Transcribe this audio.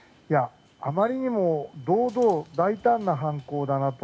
あまりにも堂々、大胆な犯行だなと。